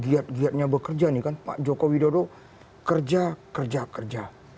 giat giatnya bekerja nih kan pak joko widodo kerja kerja kerja